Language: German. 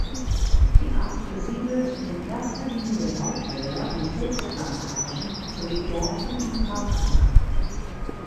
Die Art besiedelt in erster Linie Laubwälder und Obstplantagen sowie Gärten und Parkanlagen.